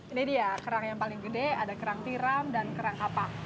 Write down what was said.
ini dia kerang yang paling gede ada kerang tiram dan kerang kapak